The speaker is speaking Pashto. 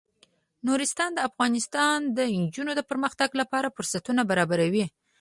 نورستان د افغان نجونو د پرمختګ لپاره فرصتونه برابروي.